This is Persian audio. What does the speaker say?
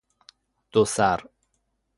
دو سر